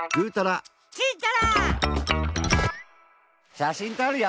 しゃしんとるよ！